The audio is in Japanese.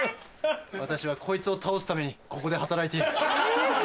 私はこいつを倒すためにここで働いている。